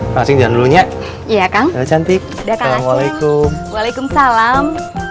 kaceng jangan dulunya iya kang cantik assalamualaikum waalaikumsalam